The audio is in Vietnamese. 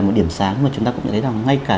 một điểm sáng mà chúng ta cũng nhận thấy rằng ngay cả